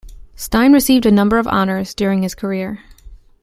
Stein received a number of honours during his career.